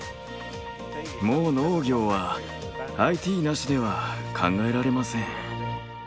もう農業はＩＴなしでは考えられません。